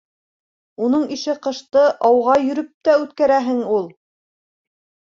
Уның ише ҡышты ауға йөрөп тә үткәрәһең ул.